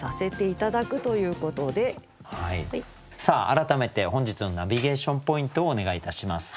改めて本日のナビゲーション・ポイントをお願いいたします。